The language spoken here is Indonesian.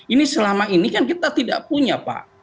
ini selama ini kan kita tidak punya pak